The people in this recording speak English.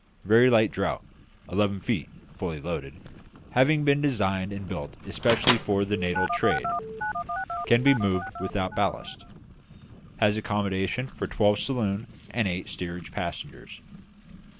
Very light draught (11 feet, fully loaded), having been designed and built especially for the Natal trade. Can be moved without ballast. Has accommodation for twelve saloon and eight steerage passengers.